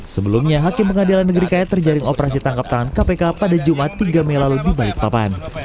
sebelumnya hakim pengadilan negeri kaya terjaring operasi tangkap tangan kpk pada jumat tiga mei lalu di balikpapan